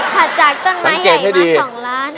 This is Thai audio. ถัดจากต้นไม้ใหญ่มา๒ล้าน